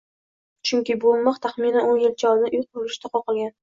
Chunki bu mix taxminan oʻn yilcha oldin, uy qurilishida qoqilgan